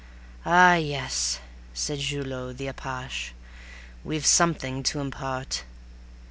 "Ah, yes," said Julot the apache, "we've something to impart.